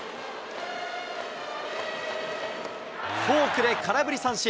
フォークで空振り三振。